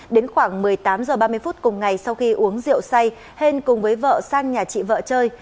đến khoảng một mươi tám h ba mươi phút cùng ngày sau khi uống rượu say hen cùng với vợ sang nhà chị vợ chơi